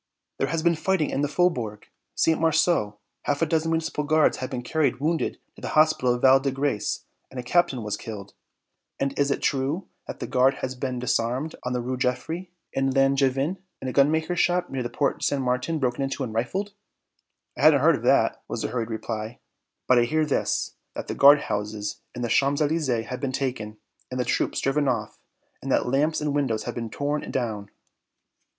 "There has been fighting in the Faubourg St. Marceau; half a dozen Municipal Guards have been carried wounded to the hospital of Val de Grace and a captain was killed." "And is it true that the Guard has been disarmed on the Rues Geoffroi and Langevin, and a gunmaker's shop near the Porte St. Martin broken into and rifled?" "I hadn't heard of that," was the hurried reply. "But I hear this, that the guard houses in the Champs Elysées have been taken, and the troops driven off, and that lamps and windows have been torn down."